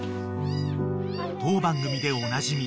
［当番組でおなじみ